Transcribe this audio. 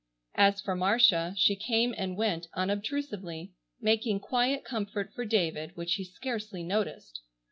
As for Marcia, she came and went unobtrusively, making quiet comfort for David which he scarcely noticed.